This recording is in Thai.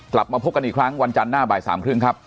กลับมาพบกันอีกครั้งวันจันทร์หน้าบ่ายสามครึ่งครับ